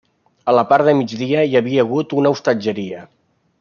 A la part de migdia hi havia hagut una hostatgeria.